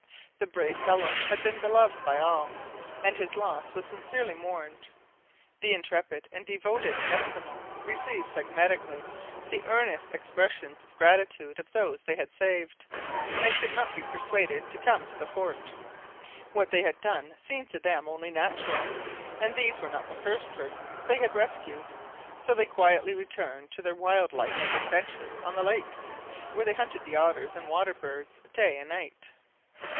The brave fellow had been beloved by all, and his loss was sincerely mourned. The intrepid and devoted Esquimaux received phlegmatically the earnest expressions of gratitude of those they had saved, and coulot be persuaded to come to the fort. What they had done seemed to them only natural, and these were not the first persons they had rescued; so they quietly returned to their wild life of adventure on the lake, where they hunted the otters and water birds day and night.